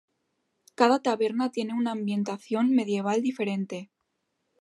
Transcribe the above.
Cada taberna tiene una ambientación medieval diferente.